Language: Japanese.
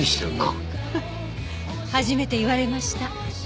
初めて言われました。